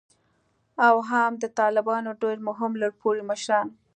او هم د طالبانو ډیر مهم لوړ پوړي مشران